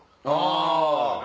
あぁ！